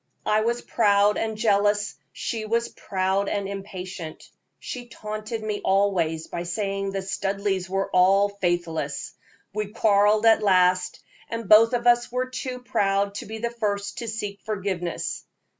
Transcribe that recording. I was proud and jealous, she was proud and impatient; she taunted me always by saying the Studleighs were all faithless. We quarreled at last, and both of us were too proud to be the first to seek forgiveness.